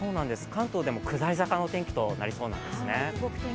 関東でも下り坂の天気となりそうなんですね。